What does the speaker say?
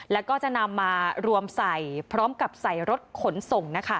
แล้วก็จะนำมารวมใส่พร้อมกับใส่รถขนส่งนะคะ